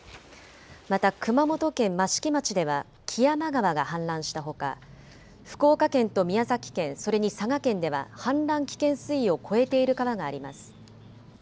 また熊本県益城町では木山川が氾濫したほか福岡県と宮崎県、それに佐賀県では氾濫危険水位を超えている川があります。